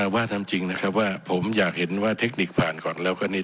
ว่าทำจริงนะครับว่าผมอยากเห็นว่าเทคนิคผ่านก่อนแล้วก็นี่